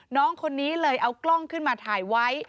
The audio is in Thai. น้องคนนี้เลยเอากล้องขึ้นมาถ่ายไว้